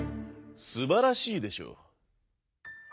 すばらしいでしょう？」。